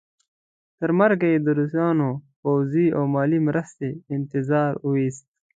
تر مرګه یې د روسانو پوځي او مالي مرستې انتظار وایست.